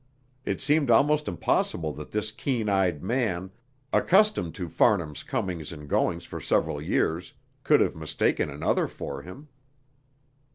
It seemed almost impossible that this keen eyed man, accustomed to Farnham's comings and goings for several years, could have mistaken another for him.